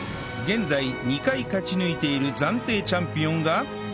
現在２回勝ち抜いている暫定チャンピオンが